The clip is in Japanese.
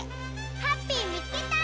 ハッピーみつけた！